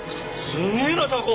すげえなタコ！